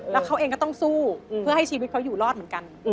แล้วเขาเองก็ต้องสู้เพื่อให้ชีวิตเขาอยู่รอดเหมือนกัน